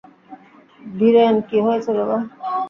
ভিরেন, কি হয়েছে বাবা?